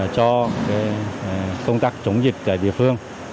công tác chống dịch tại địa phương